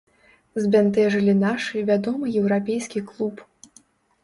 Збянтэжылі нашы вядомы еўрапейскі клуб.